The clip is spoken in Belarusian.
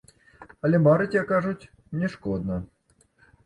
Але марыць, як кажуць, не шкодна.